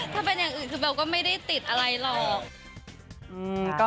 ถ้าเป็นอย่างอื่นคือเบลก็ไม่ได้ติดอะไรหรอก